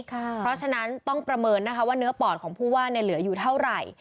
เพราะฉะนั้นต้องประเมินนะคะว่าเนื้อปอดของผู้ว่าเหลืออยู่เท่าไหร่